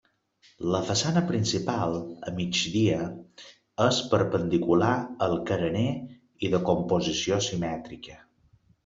La façana principal, a migdia, és perpendicular al carener i de composició simètrica.